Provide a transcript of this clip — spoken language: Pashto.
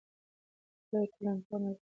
لویه ټولنپوهنه لوی سیستمونه مطالعه کوي.